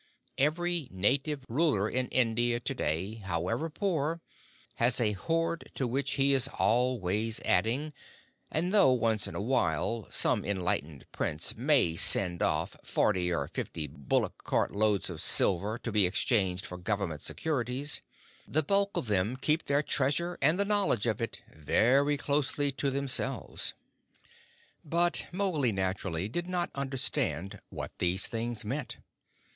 Every native ruler in India to day, however poor, has a hoard to which he is always adding; and though, once in a long while, some enlightened prince may send off forty or fifty bullock cart loads of silver to be exchanged for Government securities, the bulk of them keep their treasure and the knowledge of it very closely to themselves. But Mowgli naturally did not understand what these things meant.